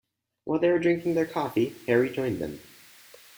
While they were drinking their coffee Harry joined them.